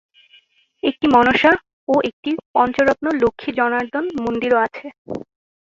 একটি মনসা ও একটি "পঞ্চরত্ন" লক্ষ্মী-জনার্দন মন্দিরও আছে।